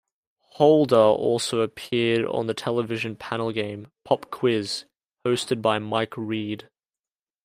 Holder also appeared on the television panel game Pop Quiz, hosted by Mike Read.